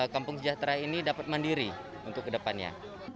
kampung sejahtera ini dapat mandiri untuk kedepannya